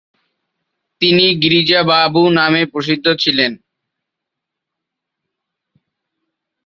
তিনি 'গিরিজা বাবু' নামে প্রসিদ্ধ ছিলেন।